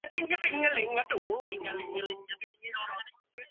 და მრავალი სხვა ჯილდო.